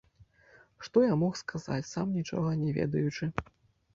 Што я мог сказаць, сам нічога не ведаючы.